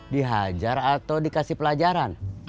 dihajar atau dikasih pelajaran